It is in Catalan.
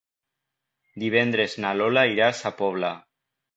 Divendres na Lola irà a Sa Pobla.